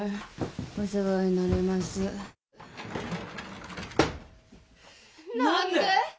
お世話になります何で！？